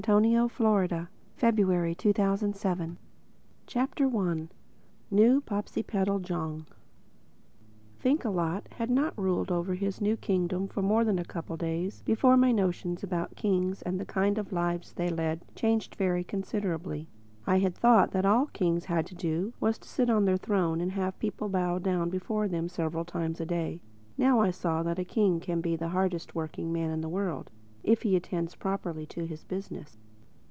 PART SIX THE FIRST CHAPTER NEW POPSIPETEL JONG THINKALOT had not ruled over his new kingdom for more than a couple of days before my notions about kings and the kind of lives they led changed very considerably. I had thought that all that kings had to do was to sit on a throne and have people bow down before them several times a day. I now saw that a king can be the hardest working man in the world—if he attends properly to his business.